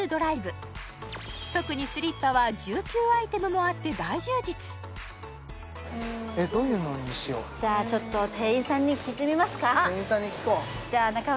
特にスリッパは１９アイテムもあって大充実どういうのにしようじゃ店員さんに聞いてみますか？